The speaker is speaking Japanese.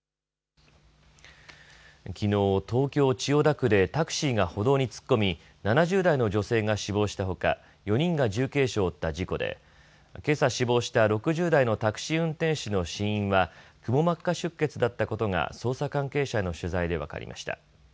きのう東京千代田区でタクシーが歩道に突っ込み７０代の女性が死亡したほか４人が重軽傷を負った事故でけさ死亡した６０代のタクシー運転手の死因はくも膜下出血だったことが捜査関係者への取材で分かりました。